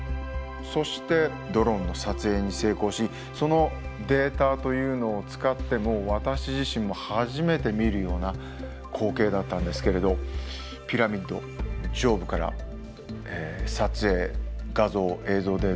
そしてドローンの撮影に成功しそのデータというのを使って私自身も初めて見るような光景だったんですけれどピラミッド上部から撮影画像映像データというのを取得したわけです。